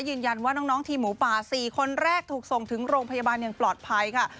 ยืนยันว่าน้องทีมหมูป่า๔คนแรกถูกส่งถึงโรงพยาบาลอย่างปลอดภัยค่ะ